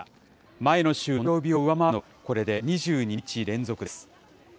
前の週の同じ曜日を上回るのは、これで２２日連続です。